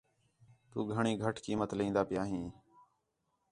تُو گھݨی گَھٹ قیمت لین٘دا پِیاں ہیں